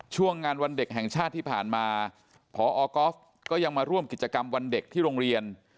ช่วงงานวันเด็กแห่งชาติที่ผ่านมาพอก๊อฟก็ยังมาร่วมกิจกรรมวันเด็กที่โรงเรียน